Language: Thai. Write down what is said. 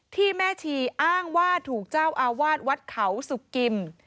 แม่ชีอ้างว่าถูกเจ้าอาวาสวัดเขาสุกิม